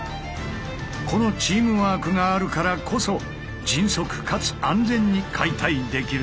このチームワークがあるからこそ迅速かつ安全に解体できるのだ。